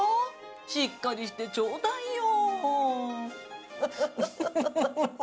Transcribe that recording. しっかりしてちょうだいよ！